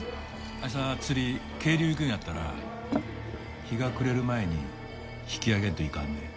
明日釣り渓流行くんやったら日が暮れる前に引き揚げんといかんで。